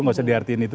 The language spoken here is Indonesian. gak usah di artiin itu